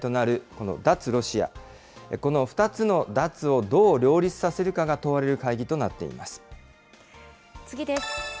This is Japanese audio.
この２つの脱をどう両立させるかが問われる会議となっています。